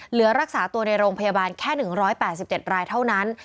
เหลือรักษาตัวในโรงพยาบาลแค่๑๘๗รายเท่านั้น